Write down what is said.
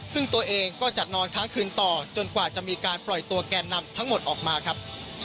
ซึ่งตัวเองก็จะนอนค้างคืนต่อจนกว่าจะมีการปล่อยตัวแกนนำทั้งหมดออกมาครับ